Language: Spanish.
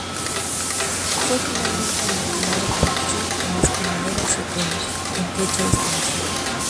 Fue finalmente aniquilado por Chu en las Primaveras y Otoños, en fecha desconocida.